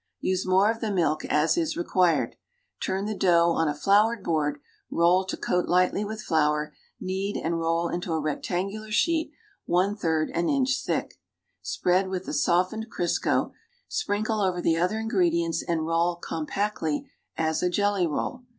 t se more of the mill;, as is reriuired. ^J^irn tile dough on a floured board, rt)II to coat lightly witli flour, knead and roll into a rectangular sheet one third an inch thick. Spread with the softened Crksco sprinkle over the other ingredients and roll compactly as a jelly roll.